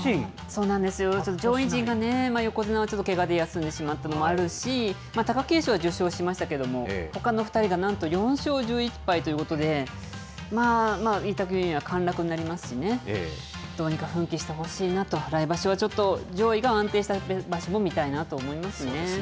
そうなんですよ、上位陣がね、横綱はちょっとけがで休んでしまったのもあるし、貴景勝は１０勝しましたけども、ほかの２人がなんと４勝１１敗ということで、まあ御嶽海は陥落になりますしね、どうにか奮起してほしいなと、来場所は上位が安定した場所も見たいなと思いますね。